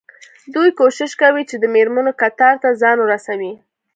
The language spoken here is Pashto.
دوی کوښښ کوي چې د مېرمنو کتار ته ځان ورسوي.